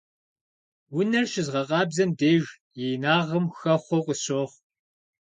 Унэр щызгъэкъабзэм деж и инагъым хэхъуэу къысщохъу.